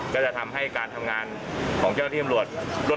ก็จะทำให้การทำงานของเจ้าหน้าที่ตำรวจ